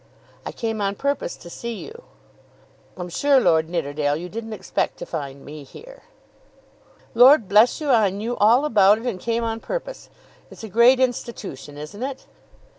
"I came on purpose to see you." "I'm sure, Lord Nidderdale, you didn't expect to find me here." "Lord bless you, I knew all about it, and came on purpose. It's a great institution; isn't it?"